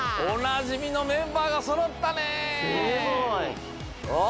おなじみのメンバーがそろったね！